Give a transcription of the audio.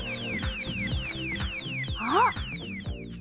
あっ！